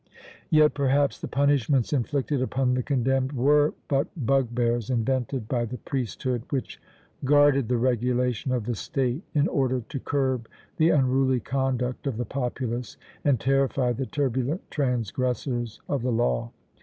Yet perhaps the punishments inflicted upon the condemned were but bugbears invented by the priesthood, which guarded the regulation of the state in order to curb the unruly conduct of the populace and terrify the turbulent transgressors of the law.